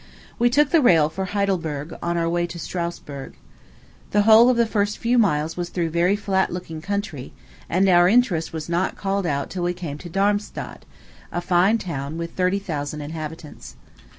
We took the rail for Heidelberg, on our way to Strasburg. The whole of the first few miles was through a very flat looking country, and our interest was not called out till we came to Darmstadt, a fine town, with thirty thousand inhabitants.